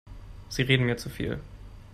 Sie reden mir zu viel.